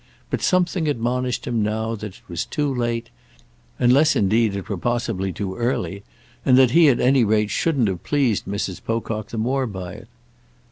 But something admonished him now that it was too late—unless indeed it were possibly too early; and that he at any rate shouldn't have pleased Mrs. Pocock the more by it.